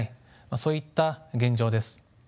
そういった現状です。